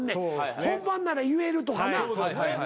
本番なら言えるとかな。